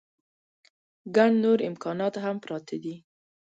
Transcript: ګڼ نور امکانات هم پراته دي.